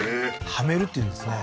「はめる」って言うんですね